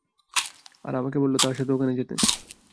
আর আমাকে বলল তার সাথে ওখানে যেতে।